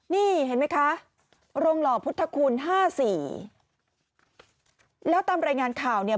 นี่เห็นไหมคะโรงหล่อพุทธคุณห้าสี่แล้วตามรายงานข่าวเนี่ย